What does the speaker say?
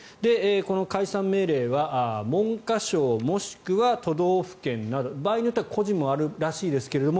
この解散命令は文科省、もしくは都道府県など場合によっては個人もあるらしいですけど